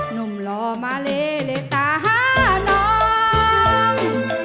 หนุ่มรอมาเลเละตาหาน้อง